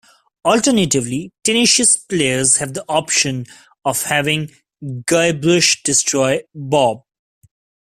Alternatively, tenacious players have the option of having Guybrush destroy Bob.